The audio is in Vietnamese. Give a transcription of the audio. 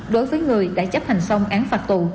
đối với người đã chấp hành xong án phạt tù